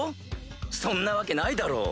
そんなわけないだろう？